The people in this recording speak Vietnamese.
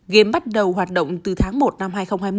game bắt đầu hoạt động từ tháng một năm hai nghìn hai mươi